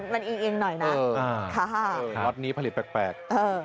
มันอิ๊งหน่อยนะรถนี้ผลิตแปลก